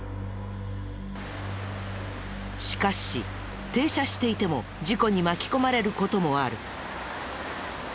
しかし停車していても事故に巻き込まれる事もある。